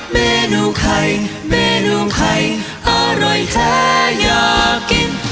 เมนูไข่เมนูไข่อร่อยแท้อยากกิน